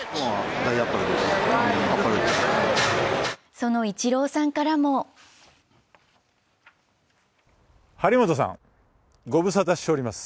そのイチローさんからも張本さん、ご無沙汰しております。